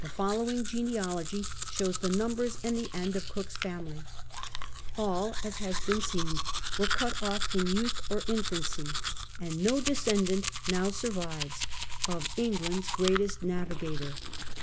The following genealogy shows the numbers and the end of Cook's family. All, as has been seen, were cut oft* in youth or infancy, ainl no descendant now survives of England's greatest navigator.